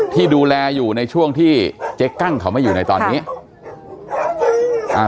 ที่ดูแลอยู่ในช่วงที่เจ๊กั้งเขามาอยู่ในตอนนี้อ่า